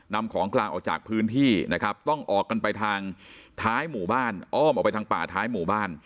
นำของกลางออกจากพื้นที่นะครับต้องออกกันไปทางท้ายหมู่บ้านอ้อมออกไปทางป่าท้ายหมู่บ้าน